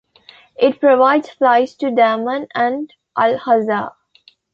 It provides flights to Dammam and Al-Hasa.